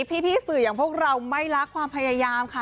พี่สื่ออย่างพวกเราไม่รักความพยายามค่ะ